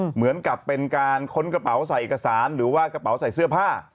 เหมือนกับเป็นการค้นกระเป๋าใส่เอกสารหรือว่ากระเป๋าใส่เสื้อผ้า